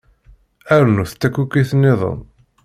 Rnut takukit-nniḍen.